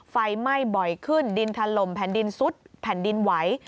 ไฟไหม้บ่อยขึ้นดินถล่มแผ่นดินซุดแผ่นดินไหว